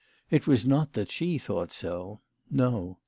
It was not that she thought so. No.